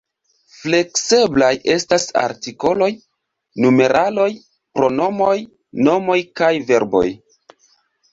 Flekseblaj estas artikoloj, numeraloj, pronomoj, nomoj kaj verboj.